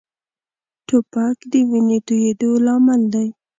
توپک د وینې تویېدو لامل دی.